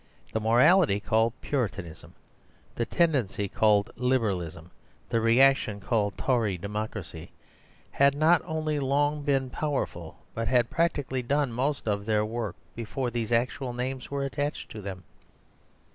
The morality called Puritanism, the tendency called Liberalism, the reaction called Tory Democracy, had not only long been powerful, but had practically done most of their work, before these actual names were attached to them.